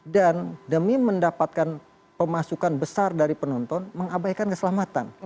dan demi mendapatkan pemasukan besar dari penonton mengabaikan keselamatan